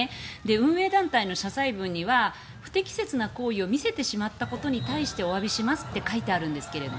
運営団体の謝罪文には不適切な行為を見せてしまったことに対しておわびしますって書いてあるんですけど